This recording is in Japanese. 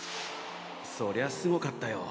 そりゃすごかったよ